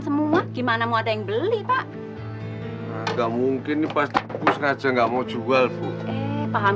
semua gimana mau ada yang beli pak nggak mungkin ini pasti aku sengaja nggak mau jual bu eh paham